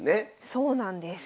そうなんです。